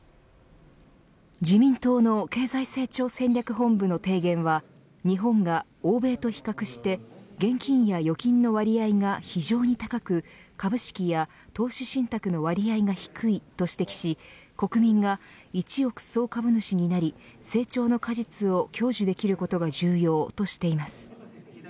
自民党の経済成長戦略本部の提言は日本が欧米と比較して現金や預金の割合が非常に高く株式や投資信託の割合が低いと指摘し国民が一億総株主になり成長の果実を享受できることが重要としています。